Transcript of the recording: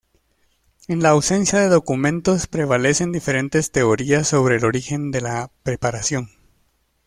En la ausencia de documentos prevalecen diferentes teorías sobre el origen de la preparación.